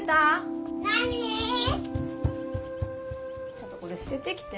ちょっとこれすててきて。